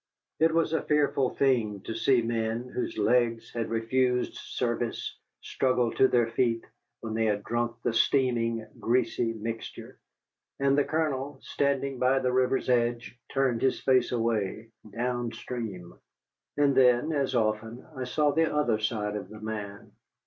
It was a fearful thing to see men whose legs had refused service struggle to their feet when they had drunk the steaming, greasy mixture. And the Colonel, standing by the river's edge, turned his face away down stream. And then, as often, I saw the other side of the man.